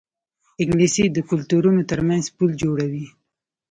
انګلیسي د کلتورونو ترمنځ پل جوړوي